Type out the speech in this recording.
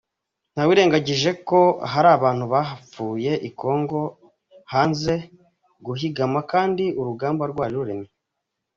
Ntawirengaje ko hari abantu bahapfuye I Kongo, banze guhigama kandi urugamba rwari ruremye.